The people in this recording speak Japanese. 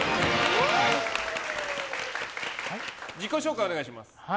自己紹介、お願いします。